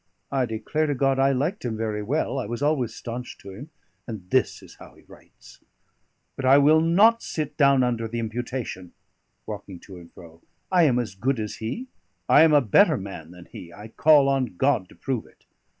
I declare to God I liked him very well; I was always staunch to him; and this is how he writes! But I will not sit down under the imputation" walking to and fro "I am as good as he; I am a better man than he, I call on God to prove it!